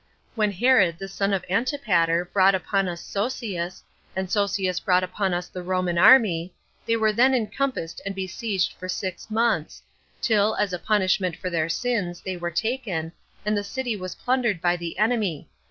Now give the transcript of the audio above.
When Herod, the son of Antipater, brought upon us Sosius, and Sosius brought upon us the Roman army, they were then encompassed and besieged for six months, till, as a punishment for their sins, they were taken, and the city was plundered by the enemy.